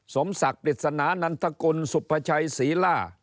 สมศักดิ์ปริศนานัทกลสุบพระชัยศีรา